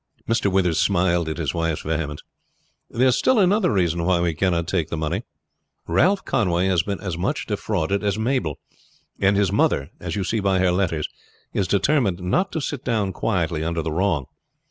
Mr. Withers smiled at his wife's vehemence. "There is still another reason why we cannot take the money. Ralph Conway has been as much defrauded as Mabel, and his mother, as you see by her letters, is determined not to sit down quietly under the wrong.